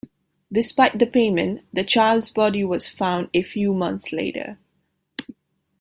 Despite the payment, the child's body was found a few months later.